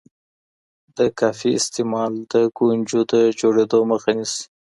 د کافي استعمال د ګونځو د جوړیدو مخه نیسي.